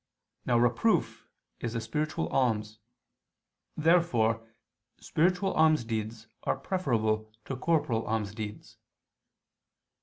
Now reproof is a spiritual alms. Therefore spiritual almsdeeds are preferable to corporal almsdeeds.